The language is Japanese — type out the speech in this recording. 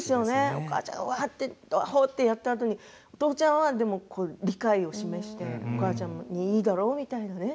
お母ちゃんが、わあってどあほ！と言ったあとにお父ちゃんは理解を示してお母ちゃんにいいだろみたいなね